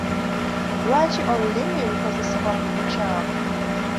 Lwaki olulimi lukozesebwa mu bukyamu?